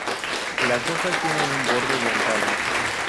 Las hojas tienen un borde dentado.